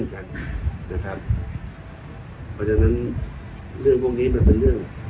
สัปดาห์ที่แล้วเขายังโทรศัพท์มาหาผม